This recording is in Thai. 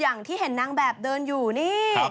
อย่างที่เห็นนางแบบเดินอยู่นี่